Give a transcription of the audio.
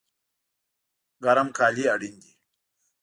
ګرم کالی اړین دي